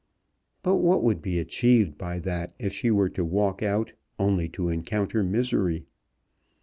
But what would be achieved by that if she were to walk out only to encounter misery?